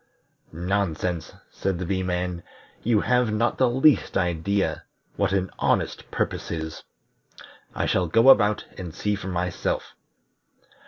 "Nonsense," said the Bee man. "You have not the least idea what an honest purpose is. I shall go about, and see for myself."